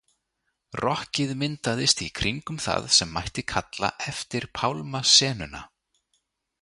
Rokkið myndaðist í kringum það sem mætti kalla Eftir Pálma senuna.